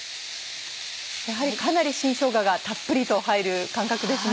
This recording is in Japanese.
やはりかなり新しょうががたっぷりと入る感覚ですね。